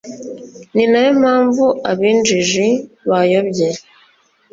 ni na yo mpamvu ab'injiji bayobye